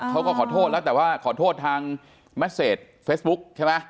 เขาก็ขอโทษแล้วแต่ว่าขอโทษทางแมสเซจเฟซบุ๊กใช่ไหม